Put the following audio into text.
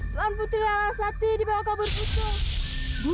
ibu ratu tuan putri rangasati dibawa kabur buto buto